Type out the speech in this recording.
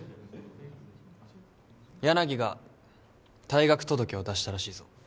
柳が退学届を出したらしいぞ。